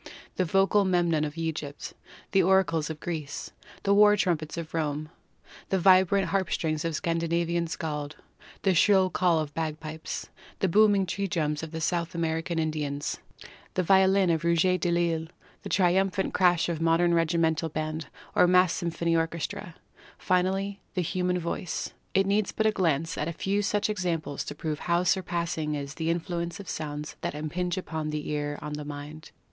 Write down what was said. The vocal Memnon of Egypt, the oracles of Greece, the war trumpets of Rome, the vibrant harp strings of the Scandinavian skald, the shrill call of the bagpipes, the booming tree drums of the South American Indians, the violin of Rouget de Lisle, the triumphant crash of the modern regimental band or massed symphony orchestra, finally the human voice in all time — it needs but a glance at a few such examples to prove how surpass ing is the influence of the sounds that impinge upon the ear on the mind.